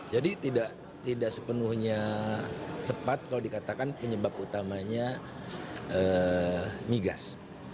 jadi tidak sepenuhnya tepat kalau dikatakan penyebab utamanya migas